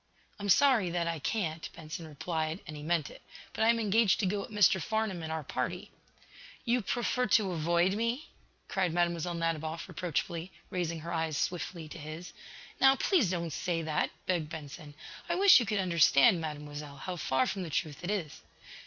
"I'm sorry that I can't," Benson replied, and he meant it. "But I am engaged to go with Mr. Farnum and our party." "You prefer to avoid me?" cried Mlle. Nadiboff, reproachfully, raising her eyes swiftly to his. "Now, please don't say that," begged Benson. "I wish you could understand, Mademoiselle, how far from the truth it is."